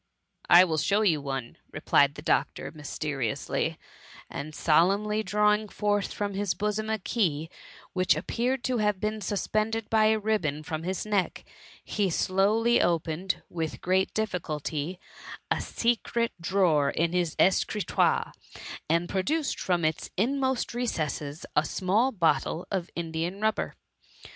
" I will show you one," replied the doctor, mysteriously; and solemnly drawing forth from his bosom a key^ which appeared to have b^n suspended by a ribbon from his neck, he slowly opened, with great difficulty, a secret drawer in his escritoire, and produced from its inmost recesses a small bottle of Indian rubber.